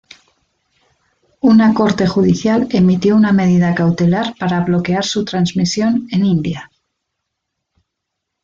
Una Corte Judicial emitió una medida cautelar para bloquear su transmisión en India.